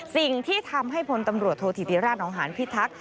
สิ่งที่ทำให้พลตำรวจโทษธิติราชนองหานพิทักษ์